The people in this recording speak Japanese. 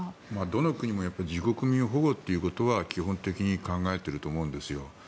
どの国も自国民保護ということは基本的に考えていると思うんですよ。